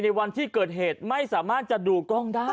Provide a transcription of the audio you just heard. วันที่เกิดเหตุไม่สามารถจะดูกล้องได้